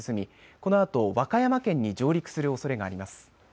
このあと、和歌山県に上陸するおそれがあります。